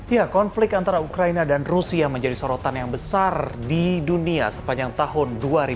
ya konflik antara ukraina dan rusia menjadi sorotan yang besar di dunia sepanjang tahun dua ribu dua puluh